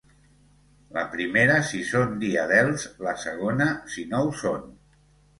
La primera si són diadelfs, la segona si no ho són.